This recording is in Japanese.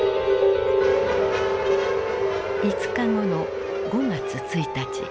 ５日後の５月１日。